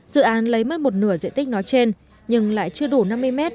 dự án lấy mất một nửa diện tích nói trên nhưng lại chưa đủ năm mươi m